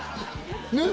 ねっ？